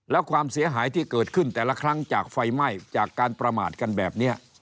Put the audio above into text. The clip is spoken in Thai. แล้วความเสียหายที่เกิดขึ้นแต่ละครั้งจากไฟไหม้จากการประมาทกันแบบนี้